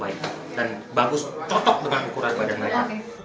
dan bagus cocok dengan ukuran badan mereka